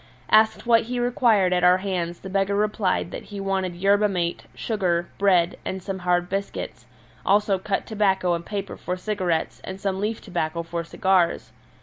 Asked what he required at our hands the beggar replied that he wanted yerba mate, sugar, bread, and some hard biscuits, also cut tobacco and paper for cigarettes and some leaf tobacco for cigars.